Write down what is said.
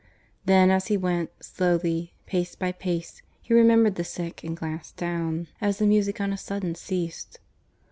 Then, as he went, slowly, pace by pace, he remembered the sick and glanced down, as the music on a sudden ceased.